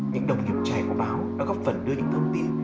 những đồng nghiệp trẻ của báo đã góp phần đưa những thông tin